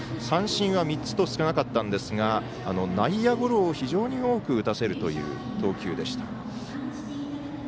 三振は３つと少なかったんですが内野ゴロを非常に多く打たせるという投球でした。